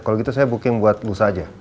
kalau gitu saya booking buat lusa aja